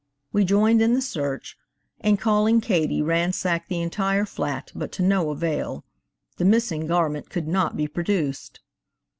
We joined in the search, and calling Katie ransacked the entire flat, but to no avail. The missing garment could not be produced.